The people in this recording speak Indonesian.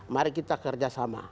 mari kita kerjasama